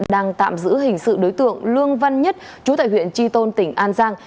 đang tạm giữ hình sự đối tượng lương văn nhất chú tại huyện tri tôn tỉnh an giang